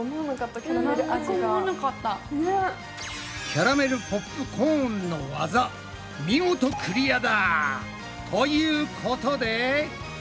キャラメルポップコーンのワザ見事クリアだ！ということで。